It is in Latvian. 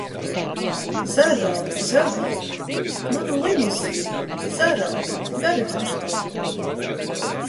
Zero, zagļi! Manu limuzīnu! Zero, dari taču kaut ko!